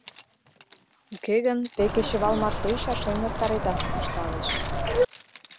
Уке гын те кечывал марте ӱчашен эртареда, — ышталеш.